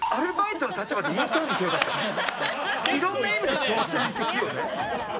いろんな意味で挑戦的よね。